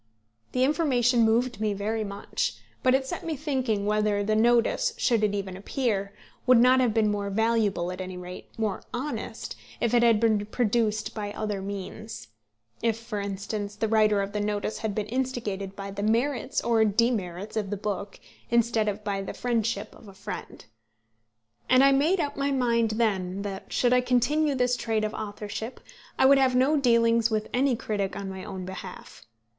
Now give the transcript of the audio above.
The information moved me very much; but it set me thinking whether the notice, should it ever appear, would not have been more valuable, at any rate more honest, if it had been produced by other means; if for instance the writer of the notice had been instigated by the merits or demerits of the book instead of by the friendship of a friend. And I made up my mind then that, should I continue this trade of authorship, I would have no dealings with any critic on my own behalf.